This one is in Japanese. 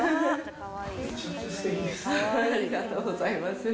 ありがとうございます。